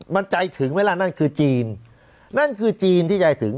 มันใจถึงไหมล่ะนั่นคือจีนนั่นคือจีนที่ใจถึง